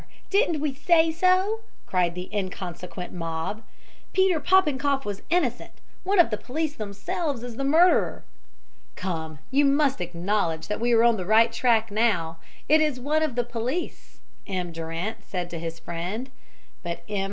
Didn't we say so?" cried the inconsequent mob. "Peter Popenkoff was innocent. One of the police themselves is the murderer." "Come, you must acknowledge that we are on the right track now it is one of the police," M. Durant said to his friend. But M.